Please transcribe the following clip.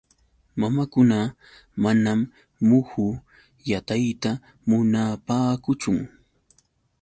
Mamakuna manam muhu yatayta munaapaakuchun.